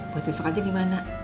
buat besok aja gimana